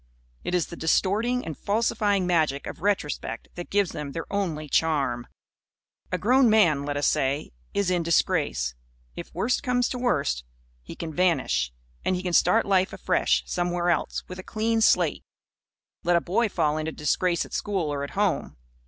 It is the distorting and falsifying magic of retrospect that gives them their only charm. A grown man, let us say, is in disgrace. If worst comes to worst, he can vanish; and he can start life, afresh, somewhere else, with a clean slate. Let a boy fall into disgrace at school or at home.